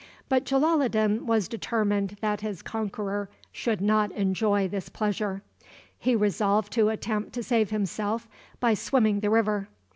But Jalaloddin was determined that his conqueror should not enjoy this pleasure. He resolved to attempt to save himself by swimming the river.